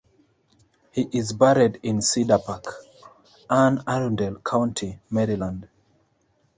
He is buried in Cedar Park, Anne Arundel County, Maryland.